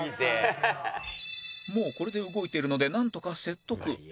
もうこれで動いているのでなんとか説得